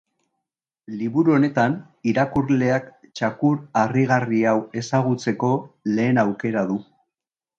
Liburu honetan irakurleak txakur harrigarri hau ezagutzeko lehen aukera du.